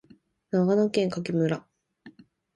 長野県喬木村